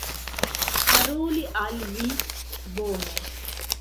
paroli al vi, bone.